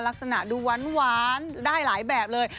ลักษณะดูหวานได้หลายแบบเลย